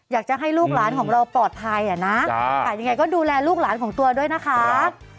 อยากจะให้ลูกหลานของเราปลอดภัยอ่ะนะยังไงก็ดูแลลูกหลานของตัวด้วยนะคะ